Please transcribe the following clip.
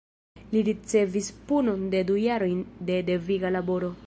Li ricevis punon de du jarojn de deviga laboro.